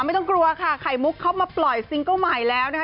ไม่ต้องกลัวค่ะไข่มุกเข้ามาปล่อยซิงเกิ้ลใหม่แล้วนะคะ